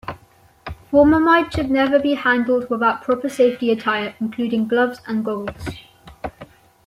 Formamide should never be handled without proper safety attire including gloves and goggles.